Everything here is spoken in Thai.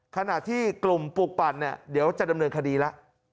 ขณะที่กลุ่มปลูกปั่นเดี๋ยวจำหน่วยคดีละ